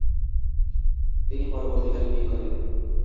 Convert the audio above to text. তিনি পরবর্তীকালে বিয়ে করেন।